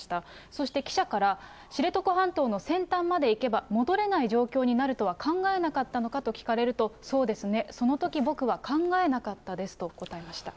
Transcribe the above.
そして記者から、知床半島の先端まで行けば戻れない状況になるとは考えなかったのかと聞かれると、そうですね、そのとき僕は考えなかったですと答えました。